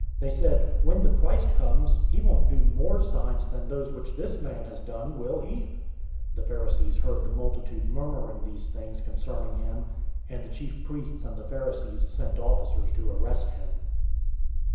They said, "When the Christ comes, he won't do more signs than those which this man has done, will he?" 007:032 The Pharisees heard the multitude murmuring these things concerning him, and the chief priests and the Pharisees sent officers to arrest him.